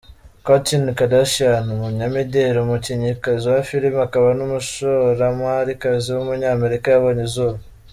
Kourtney Kardashian, umunyamideli, umukinnyikazi wa filime, akaba n’umushoramarikazi w’umunyamerika yabonye izuba.